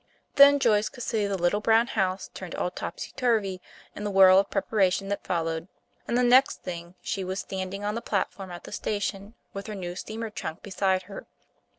Then Joyce could see the little brown house turned all topsy turvy in the whirl of preparation that followed, and the next thing, she was standing on the platform at the station, with her new steamer trunk beside her.